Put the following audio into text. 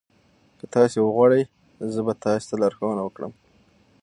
که تاسي وغواړئ زه به تاسي ته لارښوونه وکړم.